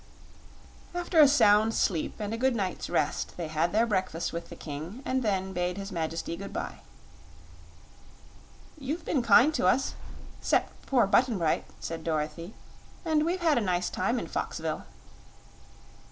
After a sound sleep and a good night's rest they had their breakfast with the King and then bade his Majesty good bye. "You've been kind to us 'cept poor Button Bright," said Dorothy, "and we've had a nice time in Foxville."